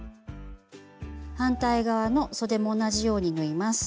反対側のそでも同じように縫います。